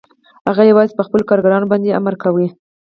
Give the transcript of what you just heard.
هغه یوازې په خپلو کارګرانو باندې امر کوي